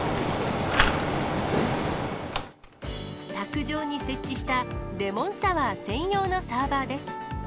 卓上に設置したレモンサワー専用のサーバーです。